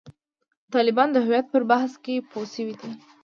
طالبان د هویت پر بحث کې پوه شوي دي.